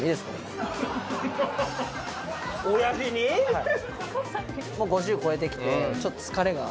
はい。